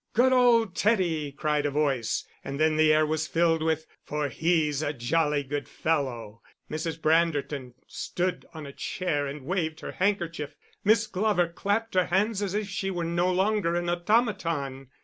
"Good old Teddy," cried a voice. And then the air was filled with: For he's a jolly good fellow. Mrs. Branderton stood on a chair and waved her handkerchief; Miss Glover clapped her hands as if she were no longer an automaton.